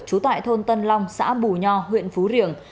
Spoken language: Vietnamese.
trú tại thôn tân long xã bù nho huyện phú riềng